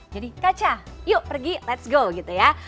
jadi ka ca yuk pergi let's go gitu ya